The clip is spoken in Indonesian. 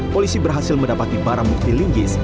polisi berhasil mendapati barang bukti linggis